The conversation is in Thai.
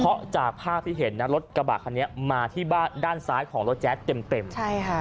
เพราะจากภาพที่เห็นนะรถกระบะคันนี้มาที่บ้านด้านซ้ายของรถแจ๊ดเต็มเต็มใช่ค่ะ